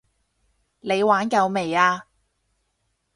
你玩夠未啊？